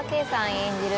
演じる